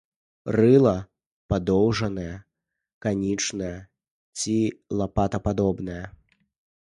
Рыла падоўжанае, канічнае ці лапатападобнае.